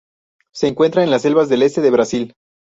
Se encuentra en las selvas del este de Brasil.